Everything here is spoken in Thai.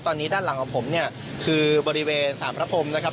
ตอนนี้ด้านหลังของผมเนี่ยคือบริเวณสารพระพรมนะครับ